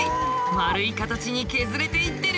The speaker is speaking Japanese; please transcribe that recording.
丸い形に削れていってる。